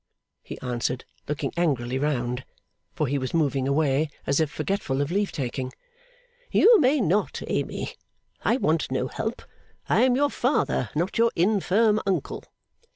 he answered, looking angrily round; for he was moving away, as if forgetful of leave taking. 'You may not, Amy. I want no help. I am your father, not your infirm uncle!